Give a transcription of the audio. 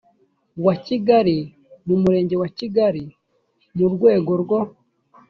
wa kigali mu murenge wa kigali mu rwego rwo